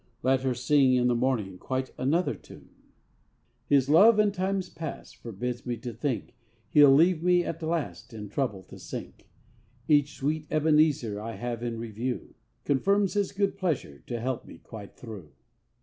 Let her sing in the morning quite another tune: His love, in time past, forbids me to think He'll leave me at last in trouble to sink, Each sweet Ebenezer I have in review Confirms His good pleasure to help me quite through.